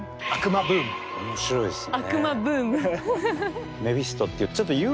面白いですね。